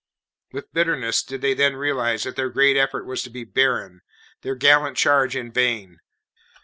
With bitterness did they then realize that their great effort was to be barren, their gallant charge in vain.